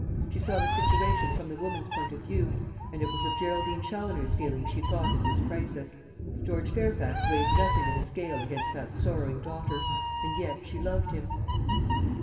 She saw the situation from the woman's point of view, and it was of Geraldine Challoner's feelings she thought at this crisis. George Fairfax weighed nothing in the scale against that sorrowing daughter. And yet she loved him.